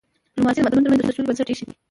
ډيپلوماسي د ملتونو ترمنځ د سولې بنسټ ایښی دی.